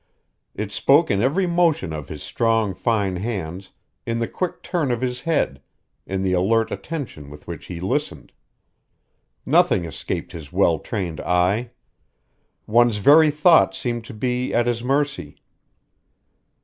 It spoke in every motion of his strong, fine hands, in the quick turn of his head, in the alert attention with which he listened. Nothing escaped his well trained eye. One's very thoughts seemed to be at his mercy.